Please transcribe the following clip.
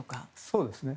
そうですね。